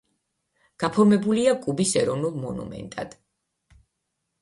გაფორმებულია კუბის ეროვნულ მონუმენტად.